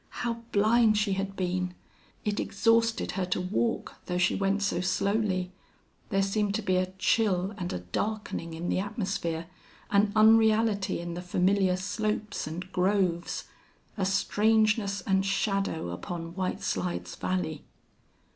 How blind she had been! It exhausted her to walk, though she went so slowly. There seemed to be a chill and a darkening in the atmosphere, an unreality in the familiar slopes and groves, a strangeness and shadow upon White Slides Valley.